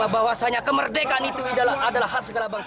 bahwasannya kemerdekaan itu adalah hasil segala bangsa